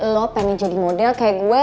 lo pengen jadi model kayak gue